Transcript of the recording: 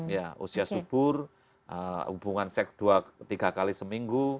ya usia subur hubungan seks dua tiga kali seminggu